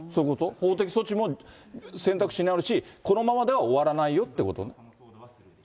法的措置も選択肢にあるし、このままでは終わらないよっていう。